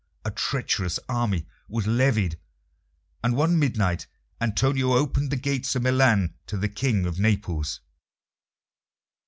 A treacherous army was levied, and one midnight Antonio opened the gates of Milan to the King of Naples.